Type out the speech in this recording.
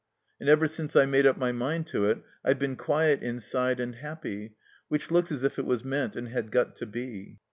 And ever since I made up my mind to it I've been quiet inside and happy, which looks as if it was meant and had got to be.